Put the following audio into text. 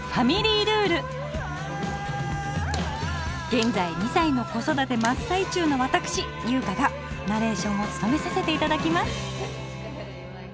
現在２歳の子育て真っ最中の私優香がナレーションをつとめさせていただきます！